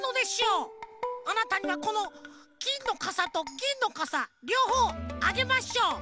あなたにはこのきんのかさとぎんのかさりょうほうあげましょう！